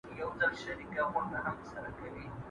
¬ لونگۍ چي د سره ولوېږي، پر اوږو تکيه کېږي.